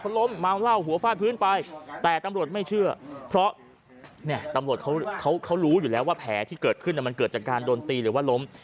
ล้มเมาเหล้าหัวฟาดพื้นไปแต่ตำรวจไม่เชื่อเพราะเนี่ยตำรวจเขารู้อยู่แล้วว่าแผลที่เกิดขึ้นมันเกิดจากการโดนตีหรือว่าล้ม